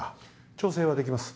調整はできます。